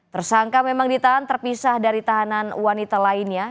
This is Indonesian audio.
tersangka memang ditahan terpisah dari tahanan wanita lainnya